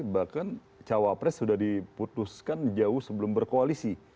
bahkan cawapres sudah diputuskan jauh sebelum berkoalisi